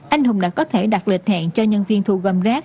anh hùng đã có thể đặt lịch hẹn cho nhân viên thu gom rác